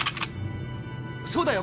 そうだよ！